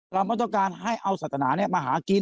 เราไม่ต้องการให้เอาศาสนามาหากิน